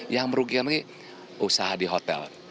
yang merugikan lagi usaha di hotel